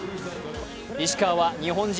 石川は日本人